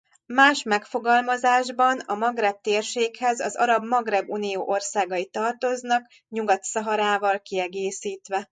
Más megfogalmazásban a Magreb térséghez az Arab Magreb Unió országai tartoznak Nyugat-Szaharával kiegészítve.